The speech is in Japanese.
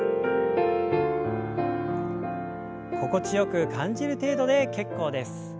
心地よく感じる程度で結構です。